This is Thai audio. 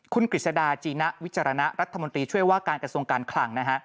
คุณกฤษฎาจีนะวิจารณะรัฐมนตรีช่วยว่าการกระทรวงการคลังนะฮะ